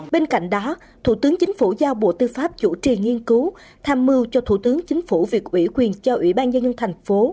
bên cạnh đó thủ tướng chính phủ giao bộ tư pháp chủ trì nghiên cứu tham mưu cho thủ tướng chính phủ việc ủy quyền cho ủy ban nhân dân thành phố